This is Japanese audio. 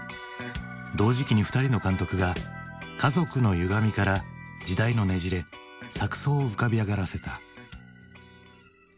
同時期に２人の監督が家族のゆがみから時代のねじれ錯そうを浮かび上がらせた。